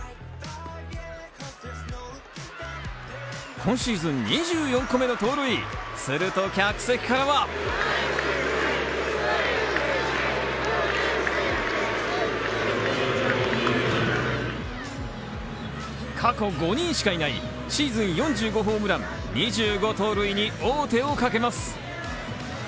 今シーズン２４個目の盗塁をすると客席からは過去５人しかいないシーズン４５ホームラン２５盗塁に王手をかけます。